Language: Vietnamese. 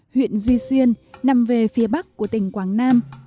huyện duy xuyên nằm về phía bắc của tỉnh quảng nam